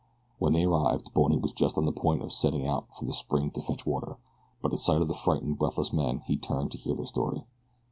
When they arrived Bony was just on the point of setting out for the spring to fetch water, but at sight of the frightened, breathless men he returned to hear their story.